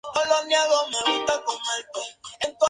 Habita en Costa Rica y El Salvador.